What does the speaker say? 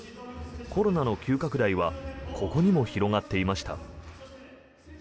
コロナの急拡大はここにも広がっていました。